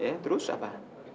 eh terus apa